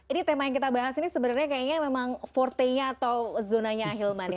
ini tema yang kita bahas ini sebenarnya memang forte nya atau zonanya ahilman